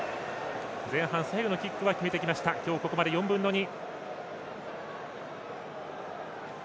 前半最後のキックは決めてきました今日、ここまで４分の２。